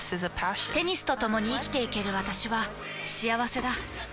テニスとともに生きていける私は幸せだ。